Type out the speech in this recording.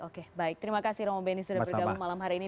oke baik terima kasih romo beni sudah bergabung malam hari ini